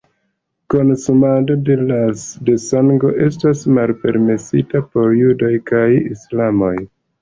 Konsumado de sango estas malpermesita por judoj kaj islamanoj.